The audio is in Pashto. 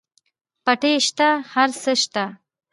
پټی شته هر څه شته.